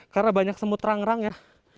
karena banyak semut rang rang ya